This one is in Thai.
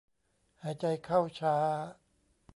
หายใจเข้าช้า